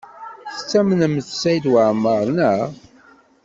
Tettamnemt Saɛid Waɛmaṛ, naɣ?